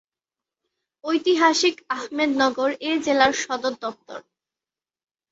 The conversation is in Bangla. ঐতিহাসিক আহমেদনগর এ জেলার সদরদপ্তর।